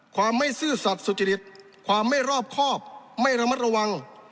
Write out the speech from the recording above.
ความไม่ซื่อสัตว์สุจริตความไม่รอบครอบไม่ระมัดระวัง